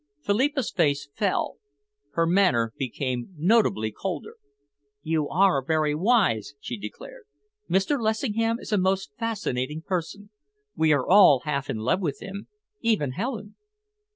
Philippa's face fell. Her manner became notably colder. "You are very wise," she declared. "Mr. Lessingham is a most fascinating person. We are all half in love with him even Helen."